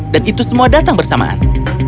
dan itu semua datang bersamaan